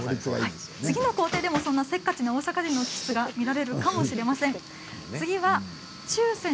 次の工程でもそんなせっかちな大阪人の気質が見られるかもしれません。